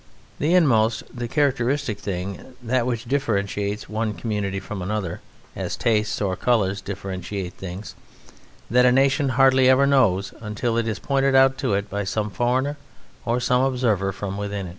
The inmost, the characteristic thing, that which differentiates one community from another, as tastes or colours differentiate things that a nation hardly ever knows until it is pointed out to it by some foreigner or by some observer from within.